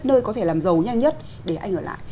nơi có thể làm giàu nhanh nhất để anh ở lại